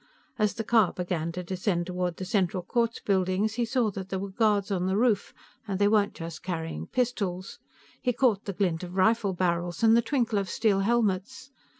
As the car began to descend toward the Central Courts buildings, he saw that there were guards on the roof, and they weren't just carrying pistols he caught the glint of rifle barrels, and the twinkle of steel helmets.